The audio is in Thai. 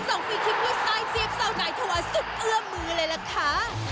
ส่งฟีคลิกด้วยไซน์เซียบเศร้าใดทะวันสุดเอื้อมือเลยละคะ